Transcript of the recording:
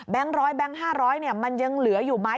แบงค์ร้อยแบงค์ห้าร้อยมันยังเหลืออยู่ไหม